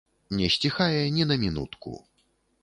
Не сціхае ні на мінутку.